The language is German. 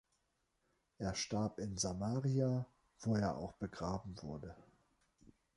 Er starb in Samaria, wo er auch begraben wurde.